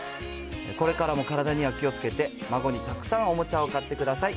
これからも体には気をつけて、孫にたくさんおもちゃを買ってください。